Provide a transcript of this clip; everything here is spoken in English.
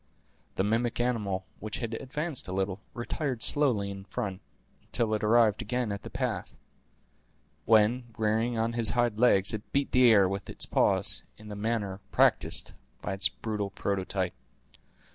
The mimic animal, which had advanced a little, retired slowly in his front, until it arrived again at the pass, when, rearing on his hinder legs, it beat the air with its paws, in the manner practised by its brutal prototype.